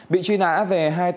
bị truy nã về hai tội danh